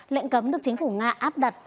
lệnh cấm được chính phủ nga áp đặt